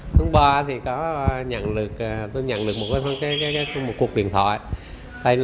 vẫn ngày hai tháng ba thì tôi nhận được một cuộc điện thoại